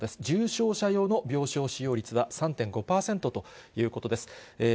重症者用の病床使用率は３．５％ということです。